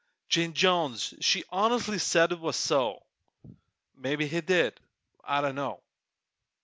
Jane Jones she honestly said it was so! Mebbe he did I dunno!